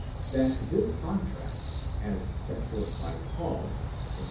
That this contrast as set forth by Paul (Phil.